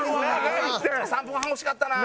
３分半欲しかったな。